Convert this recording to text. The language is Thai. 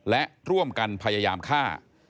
และร่วมกันพยายามฆ่า